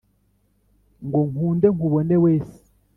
Ngo nkunde nkubone wese